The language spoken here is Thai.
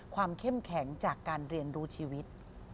เข้มแข็งจากการเรียนรู้ชีวิต